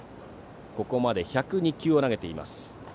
ここまで１０２球を投げています。